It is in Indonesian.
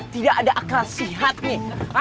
tidak ada akal sihatnya